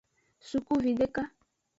Sukuvideka.